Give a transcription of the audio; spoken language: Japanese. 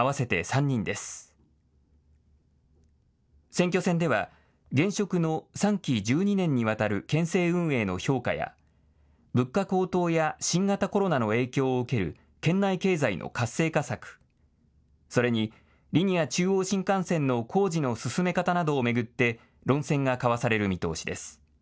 選挙戦では現職の３期１２年にわたる県政運営の評価や物価高騰や新型コロナの影響を受ける県内経済の活性化策、それにリニア中央新幹線の工事の進め方などを巡って論戦が交わされる見通しです。